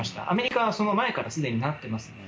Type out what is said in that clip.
アメリカはその前からすでになってます。